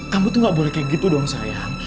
kamu tuh gak boleh kayak gitu doang sayang